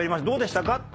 どうでしたか？